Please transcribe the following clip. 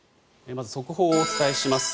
まず速報をお伝えします。